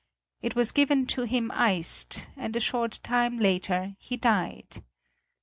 It was given to him iced, and a short time later he died.